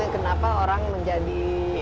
kenapa orang menjadi